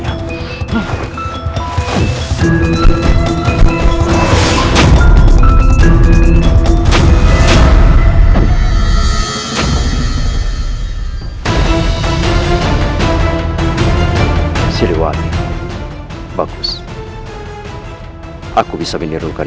akan aku laksanakan